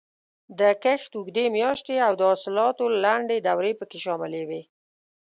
د کښت اوږدې میاشتې او د حاصلاتو لنډې دورې پکې شاملې وې.